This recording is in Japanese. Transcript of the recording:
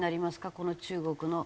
この中国の。